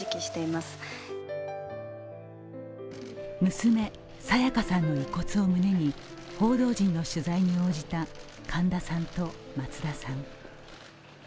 娘・沙也加さんの遺骨を胸に報道陣の取材に応じた神田さんと松田さん。